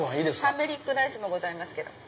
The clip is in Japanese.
ターメリックライスもございます。